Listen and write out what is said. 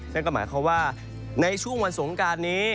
นั่นก็หมายความว่าในช่วงวันสงการนี้